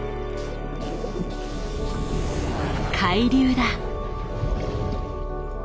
海流だ。